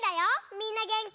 みんなげんき？